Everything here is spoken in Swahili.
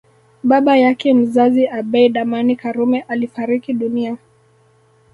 Baba yake mzazi Abeid Amani Karume alifariki dunia